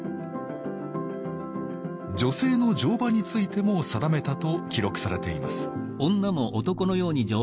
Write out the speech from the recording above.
女性の乗馬についても定めたと記録されています